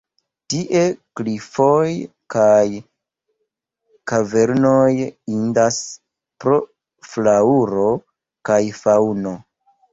Tie klifoj kaj kavernoj indas pro flaŭro kaj faŭno.